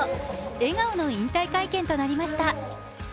笑顔の引退会見となりました。